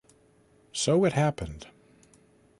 So it happened.